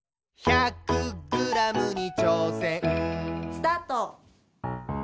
・スタート！